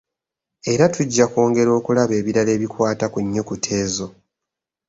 Era tujja kweyongera okulaba ebirala ebikwata ku nnyukuta ezo.